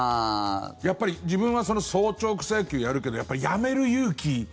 やっぱり自分は早朝草野球やるけどやっぱり、やめる勇気。